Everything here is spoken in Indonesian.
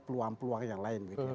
itu peluang peluang yang lain